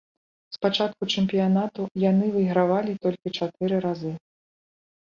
З пачатку чэмпіянату яны выйгравалі толькі чатыры разы.